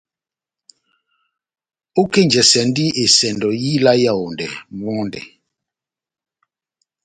Ókenjɛsɛndi esɛndo yá ila ó Yaondɛ mɔndɛ.